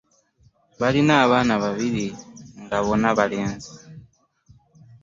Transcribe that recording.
Balina abaana babiri nga bonna balenzi.